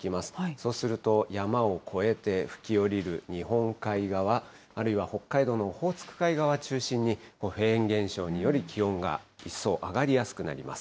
そうすると、山を越えて吹き下りる日本海側、あるいは北海道のオホーツク海側を中心に、フェーン現象により、気温が一層上がりやすくなります。